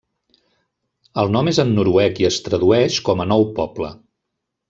El nom és en noruec i es tradueix com a Nou Poble.